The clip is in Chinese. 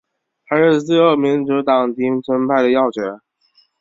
他是自由民主党町村派的要角。